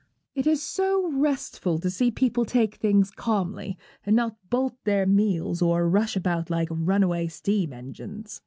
'It is so restful to see people take things calmly, and not bolt their meals, or rush about like runaway steam engines.